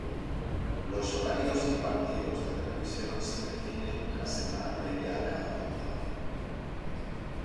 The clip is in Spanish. Los horarios y partidos de televisión se definen la semana previa a cada jornada.